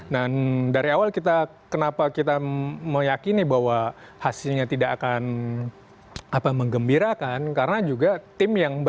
dan dari awal kita kenapa kita meyakini bahwa hasilnya tidak akan menggembirakan